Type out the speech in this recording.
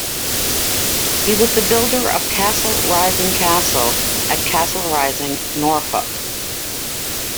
He was the builder of Castle Rising Castle at Castle Rising, Norfolk.